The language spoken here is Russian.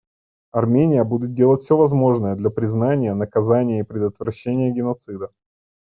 Армения будет делать все возможное для признания, наказания и предотвращения геноцида.